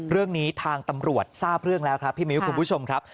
เรื่องนี้ทางตำรวจทราบเรื่องแล้วครับพี่มิ้วคุณผู้ชมครับ